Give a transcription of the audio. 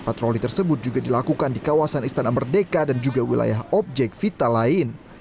patroli tersebut juga dilakukan di kawasan istana merdeka dan juga wilayah objek vital lain